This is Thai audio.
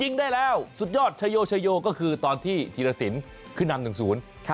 ยิงได้แล้วสุดยอดชโยชโยก็คือตอนที่ธีรสินขึ้นนำหนึ่งศูนย์ค่ะ